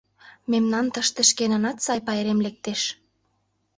— Мемнан тыште шкенанат сай пайрем лектеш.